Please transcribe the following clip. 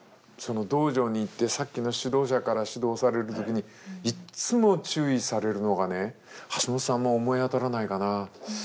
その道場に行ってさっきの指導者から指導される時にいっつも注意されるのがね橋本さんも思い当たらないかな。